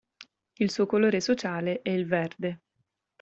Il suo colore sociale è il verde.